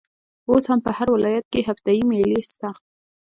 اوس هم په هر ولايت کښي هفته يي مېلې سته.